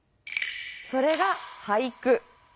それが俳句。